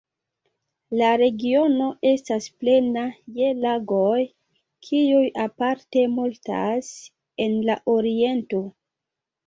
La regiono estas plena je lagoj, kiuj aparte multas en la oriento.